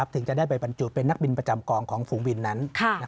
ถึงจะได้ไปบรรจุเป็นนักบินประจำกองของฝูงบินนั้น